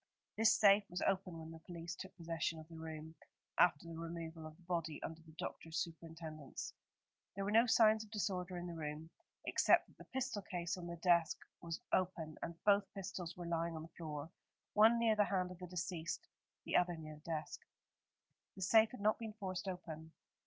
This safe was open when the police took possession of the room, after the removal of the body under the doctor's superintendence. There were no signs of disorder in the room, except that the pistol case on the desk was open, and both pistols were lying on the floor, one near the hand of the deceased, the other near the desk. The safe had not been forced open.